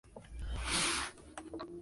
El concurso consta de tres rondas.